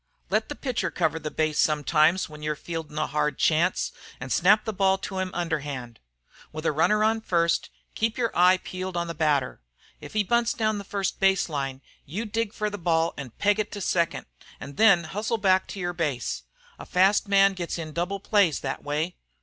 Let the pitcher cover the base sometimes when you're fieldin' a hard chance, an' snap the ball to him underhand. With a runner on first, keep your eye peeled on the hitter. If he bunts down the first base line, you dig for the ball an peg it to second, an' then hustle back to your base. A fast man gets in double plays thet way.